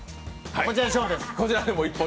こちらで勝負です。